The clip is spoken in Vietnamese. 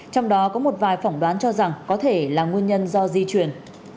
trong đó có một vài phỏng đoán cho rằng có thể là nguyên nhân do di chuyển